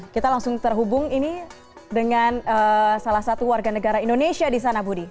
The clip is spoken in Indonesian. kita langsung terhubung ini dengan salah satu warga negara indonesia di sana budi